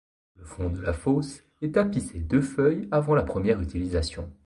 Le fond de la fosse est tapissé de feuilles avant la première utilisation.